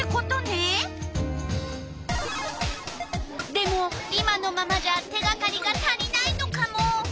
でも今のままじゃ手がかりが足りないのカモ。